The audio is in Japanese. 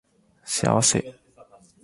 幸せ